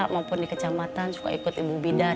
maupun di kecamatan suka ikut ibu bidan